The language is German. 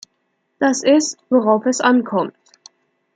Das ist, worauf es ankommt.